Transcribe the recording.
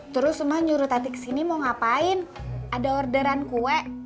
terus mak nyuruh tati kesini mau ngapain ada orderan kue